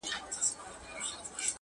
• پټ راته مغان په لنډه لار کي راته وویل,